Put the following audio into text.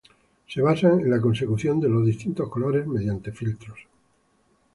Se basan en la consecución de los distintos colores mediante filtros.